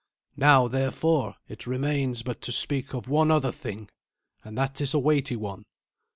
Now, therefore, it remains but to speak of one other thing and that is a weighty one.